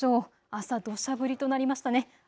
朝、どしゃ降りとなりましたね。